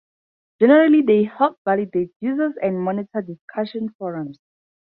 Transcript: Generally, they help validate users and monitor discussion forums.